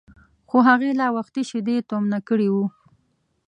خو هغې لا وختي شیدې تومنه کړي وو.